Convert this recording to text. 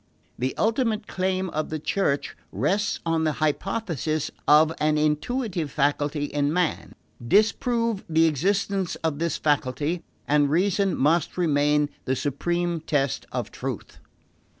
The ultimate claim of the Church rests on the hypothesis of an intuitive faculty in man. Disprove the existence of this faculty, and reason must remain the supreme test of truth.